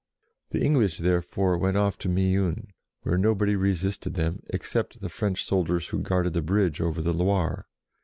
The English, therefore, went off to Meun, where nobody resisted them except the 58 JOAN OF ARC French soldiers who guarded the bridge over the Loire.